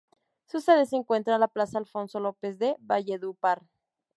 Su sede se encuentra en la Plaza Alfonso López de Valledupar.